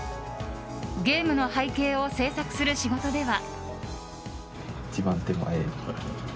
ゲームの背景を制作する仕事では。